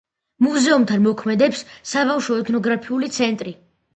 მუზეუმთან მოქმედებს „საბავშვო ეთნოგრაფიული ცენტრი“.